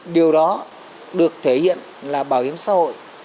điều đó được thể hiện là bảo hiểm xã hội